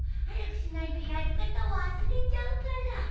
早くしないとやり方忘れちゃうから。